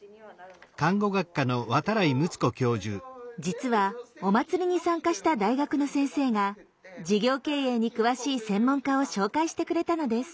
実はお祭りに参加した大学の先生が事業経営に詳しい専門家を紹介してくれたのです。